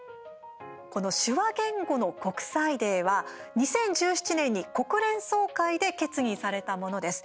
この「手話言語の国際デー」は２０１７年に国連総会で決議されたものです。